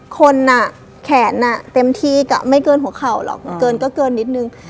คนอ่ะแขนเต็มที่ไม่เกินหัวเข่าหรอกเกินก็เกินนิดนึง